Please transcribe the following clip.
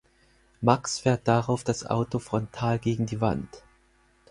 Max fährt darauf das Auto frontal gegen eine Wand.